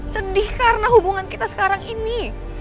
sedih karena hubungan kita sekarang ini